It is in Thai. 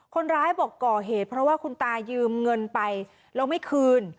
คนร้ายบอกก่อเหตุเพราะว่าคุณตายืมเงินไปแล้วไม่คืน